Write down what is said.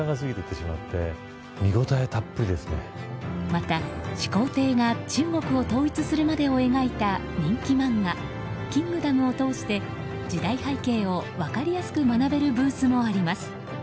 また始皇帝が中国を統一するまでを描いた人気漫画「キングダム」を通して時代背景を分かりやすく学べるブースもあります。